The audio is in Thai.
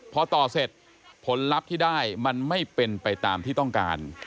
พอต่อเสร็จผลลัพธ์ที่ได้มันไม่เป็นไปตามที่ต้องการ